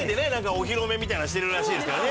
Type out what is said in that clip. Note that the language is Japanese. お披露目みたいなのしてるらしいですからね。